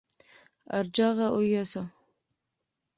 ہر جاغا اوہے سا